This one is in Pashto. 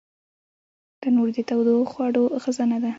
تنور د تودو خوړو خزانه ده